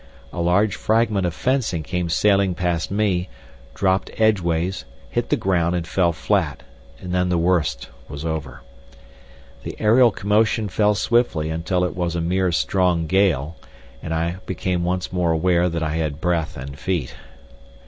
A large fragment of fencing came sailing past me, dropped edgeways, hit the ground and fell flat, and then the worst was over. The aerial commotion fell swiftly until it was a mere strong gale, and I became once more aware that I had breath and feet.